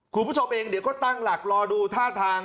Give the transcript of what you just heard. คุณผู้ชมเองเดี๋ยวก็ตั้งหลักรอดูท่าทาง